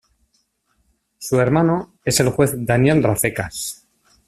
Su hermano es el juez Daniel Rafecas.